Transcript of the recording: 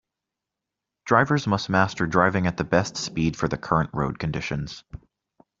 Drivers must master driving at the best speed for the current road conditions.